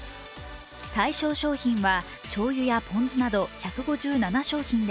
対象商品はしょうゆやポン酢など１５７商品で